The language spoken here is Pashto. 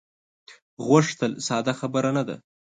غوښتل ساده خبره نه ده.